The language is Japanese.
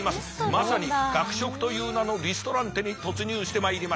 まさに学食という名のリストランテに突入してまいりました。